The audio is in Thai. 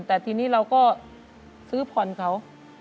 แต่ทีนี้เราก็ซื้อผ่อนเขา